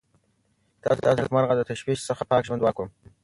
تاسو ته د نېکمرغه او له تشویش څخه پاک ژوند دعا کوم.